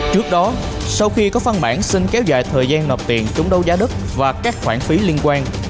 trước đó sau khi có phân bản xin kéo dài thời gian nộp tiền chúng đấu giá đất và các khoản phí liên quan